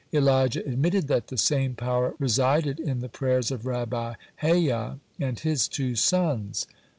Elijah admitted that the same power resided in the prayers of Rabbi Hayyah and his two sons.